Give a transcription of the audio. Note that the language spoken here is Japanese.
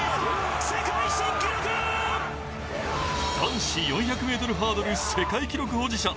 男子４００ｍハードル世界記録保持者